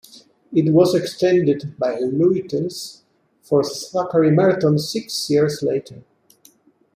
It was extended, by Lutyens, for Zachary Merton, six years later.